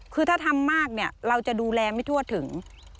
คือถ้าทำมากเนี่ยเราจะดูแลไม่ทั่วถึง